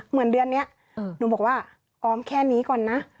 เหมือนเดือนนี้หนูบอกว่าออมแค่นี้ก่อนนะ